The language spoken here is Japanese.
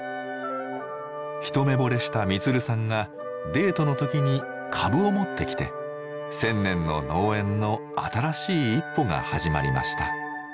一目ぼれした充さんがデートの時にカブを持ってきて「千年の農園」の新しい一歩が始まりました。